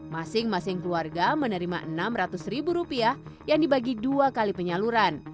masing masing keluarga menerima rp enam ratus yang dibagi dua kali penyaluran